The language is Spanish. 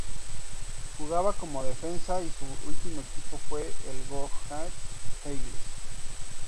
Jugaba como defensa y su último equipo fue el Go Ahead Eagles.